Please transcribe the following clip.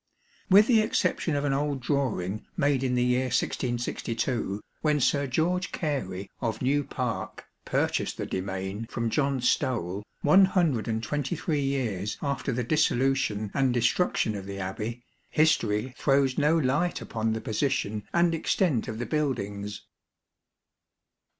With the exception of an old drawing made in the year 1662, when Sir George Gary, of New Parke, purchased the demesne from John Stowell, 123 years after the Dissolution and destruction of the Abbey, history throws no light upon the position and extent of the buildings.